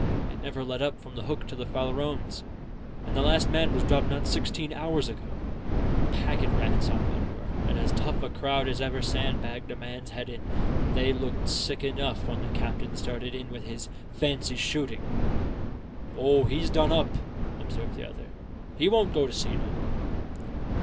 It never let up from the Hook to the Farallones; and the last man was dropped not sixteen hours ago. Packet rats our men were, and as tough a crowd as ever sand bagged a man's head in; but they looked sick enough when the captain started in with his fancy shooting." "O, he's done up," observed the other. "He won't go to sea no more."